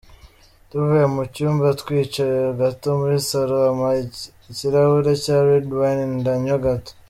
Tuvuye mu cyumba, twicaye gato muri salon, ampa ikirahure cya red wine ndanywa gato.